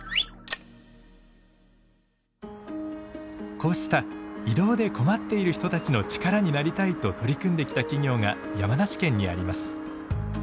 こうした移動で困っている人たちの力になりたいと取り組んできた企業が山梨県にあります。